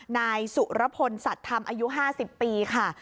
นายสุรพลสัตว์ธรรมอายุ๕๐ปีค่ะ